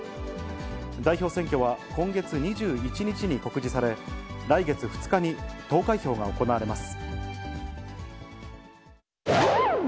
代表選挙は今月２１日に告示され、来月２日に投開票が行われます。